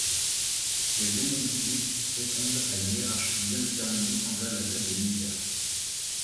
Les démons bibliques répondent à une hiérarchie bien déterminée semblable à celle des militaires.